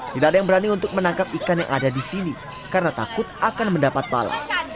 tidak ada yang berani untuk menangkap ikan yang ada di sini karena takut akan mendapat pala